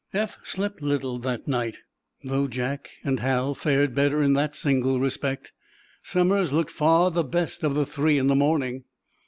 Eph slept little that night. Though Jack and Hal fared better in that single respect, Somers looked far the best of the three in the morning.